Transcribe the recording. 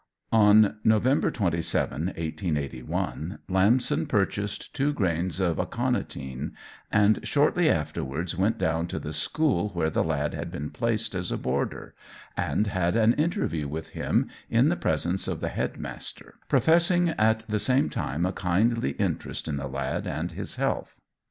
On November 27, 1881, Lamson purchased two grains of aconitine, and shortly afterwards went down to the school where the lad had been placed as a boarder, and had an interview with him in the presence of the headmaster, professing at the same time a kindly interest in the lad and his health.